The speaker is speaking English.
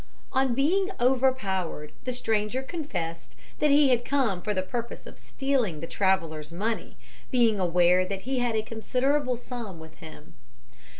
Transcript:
On being overpowered, the stranger confessed that he had come for the purpose of stealing the traveller's money, being aware that he had a considerable sum with him.